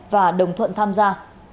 và đồng thuận tham gia